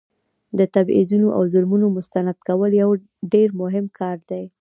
د تبعیضونو او ظلمونو مستند کول یو ډیر مهم کار دی.